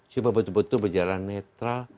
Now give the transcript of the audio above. supaya betul betul berjalan netral